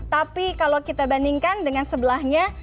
tapi kalau kita bandingkan dengan sebelahnya